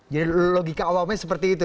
jadi logika awalnya seperti itu